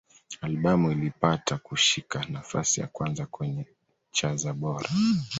Albamu ilipata kushika nafasi ya kwanza kwenye cha za Bora.